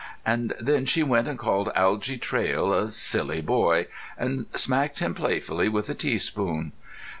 and then she went and called Algy Traill "a silly boy," and smacked him playfully with a teaspoon!